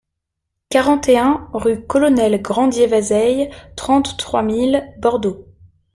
quarante et un rue Colonel Grandier-Vazeille, trente-trois mille Bordeaux